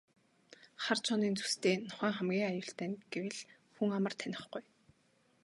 Хар чонын зүстэй нохойн хамгийн аюултай нь гэвэл хүн амар танихгүй.